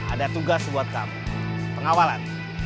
ada tugas buat kamu pengawalan